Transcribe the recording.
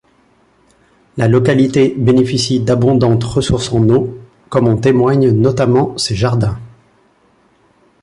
La localité bénéficie d'abondantes ressources en eau, comme en témoignent notamment ses jardins.